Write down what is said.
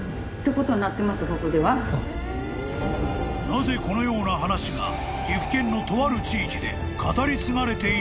［なぜこのような話が岐阜県のとある地域で語り継がれているのか？］